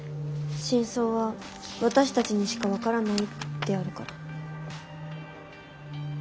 真相は私たちにしか分からないってあるから。